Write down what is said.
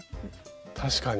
確かに。